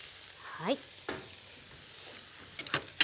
はい。